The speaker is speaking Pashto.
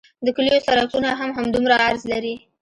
د کلیو سرکونه هم همدومره عرض لري